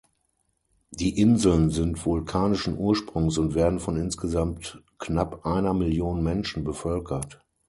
Die Inseln sind vulkanischen Ursprungs und werden von insgesamt knapp einer Million Menschen bevölkert.